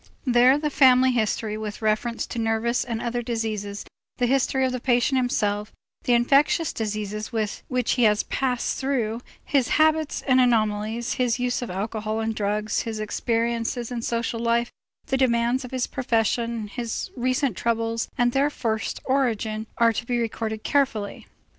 There the family history with reference to nervous and other diseases, the history of the patient himself, the infectious diseases which he has passed through, his habits and anomalies, his use of alcohol and of drugs, his experiences in social life, the demands of his profession, his recent troubles and their first origin are to be recorded carefully.